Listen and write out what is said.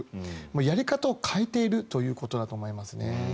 やり方を変えているということだと思いますね。